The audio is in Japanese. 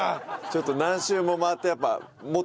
ちょっと何周も回ってやっぱ元に戻った。